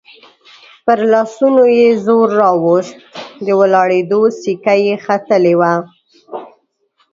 پر لاسونو يې زور راووست، د ولاړېدو سېکه يې ختلې وه.